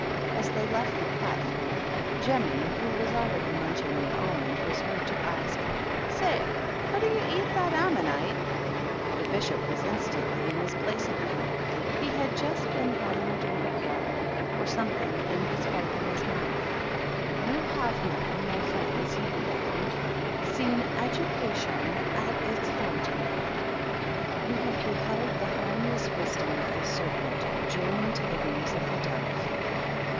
As they left the platforr Jemmy, who was already munching the almond, wa heard to ask, " Say, could yer eat that ammonite ? The Bishop was instantly in his place agair He had just been having a drink of water, o something, and was wiping his mouth. "Yo have now, my friends," he began, " seen educatio at its fountain head. We have beheld the ham less wisdom of the serpent joined to the wings o the dove.